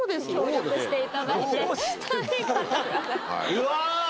うわ！